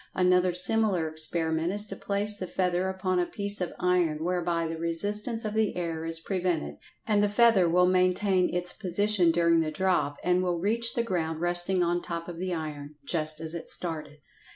Another similar experiment is to place the feather upon a piece of iron whereby the resistance of the air is prevented, and the feather will maintain its position during the drop, and will reach the ground resting on top of the iron, just as it started.